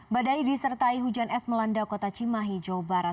badai disertai hujan es melanda kota cimahi jawa barat